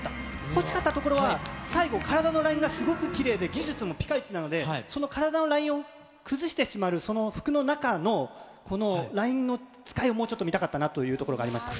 欲しかったところは、最後、体のラインがすごくきれいで、技術もぴかいちなので、その体のラインを崩してしまう、その服の中の、このラインの使いを、もうちょっと見たかったなというところがありました。